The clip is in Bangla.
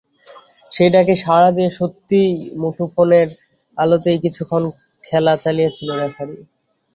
সেই ডাকে সাড়া দিয়ে সত্যিই মুঠোফোনের আলোতেই কিছুক্ষণ খেলা চালিয়েছিলেন রেফারি।